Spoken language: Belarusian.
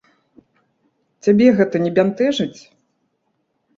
Цябе гэта не бянтэжыць?